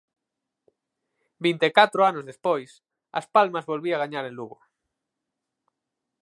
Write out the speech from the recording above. Vinte e catro anos despois, As Palmas volvía gañar en Lugo.